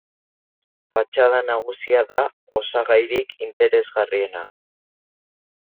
Fatxada nagusia da osagairik interesgarriena.